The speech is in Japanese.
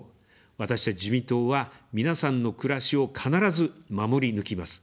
私たち自民党は皆さんの暮らしを必ず守り抜きます。